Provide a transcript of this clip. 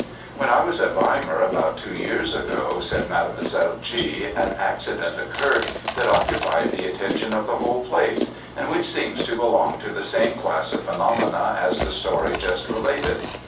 "When I was at Weimar, about two years ago," said Mademoiselle G., "an accident occurred that occupied the attention of the whole place, and which seems to belong to the same class of phenomena as the story just related.